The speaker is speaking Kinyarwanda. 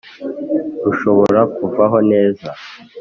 rushobora kuvaho neza